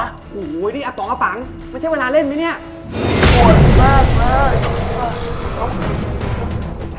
อ้าวเราต้องทำให้ดีดีกว่าว่ะ